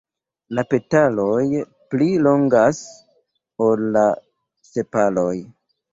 La petaloj pli longas ol la sepaloj.